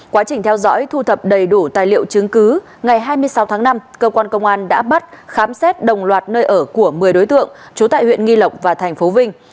quá trình theo dõi thu thập đầy đủ tài liệu chứng cứ ngày hai mươi sáu tháng năm cơ quan công an đã bắt khám xét đồng loạt nơi ở của một mươi đối tượng trú tại huyện nghi lộc và thành phố vinh